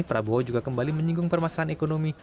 prabowo juga kembali menyinggung permasalahan ekonomi